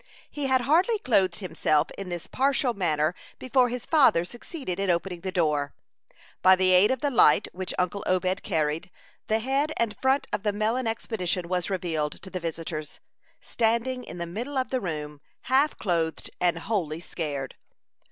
He had hardly clothed himself in this partial manner before his father succeeded in opening the door. By the aid of the light which uncle Obed carried, the head and front of the melon expedition was revealed to the visitors, standing in the middle of the room, half clothed and wholly scared.